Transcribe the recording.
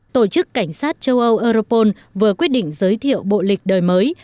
tổ chức cảnh sát châu âu europol vừa quyết định giới thiệu bộ lịch đời mới